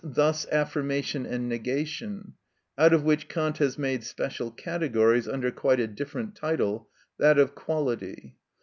_, thus affirmation and negation; out of which Kant has made special categories, under quite a different title, that of quality.